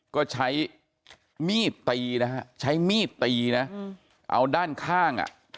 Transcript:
ก็ใช้มีดตีนะฮะใช้มีดตีนะเอาด้านข้างอ่ะ